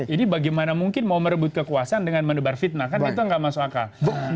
ini bagaimana mungkin mau merebut kekuasaan dengan mendebar fitnah kan itu nggak masuk akal